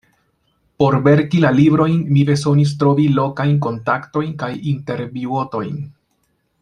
Por verki la librojn mi bezonis trovi lokajn kontaktojn kaj intervjuotojn.